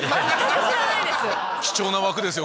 貴重な枠ですよ